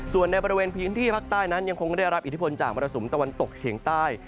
ส่วนในบริเวณพื้นที่ภาคใต้นั้นยังคงได้รับอิทธิพลจากมรสุมตะวันตกเฉียงใต้